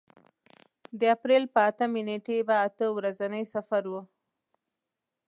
د اپرېل په اتمې نېټې په اته ورځني سفر و.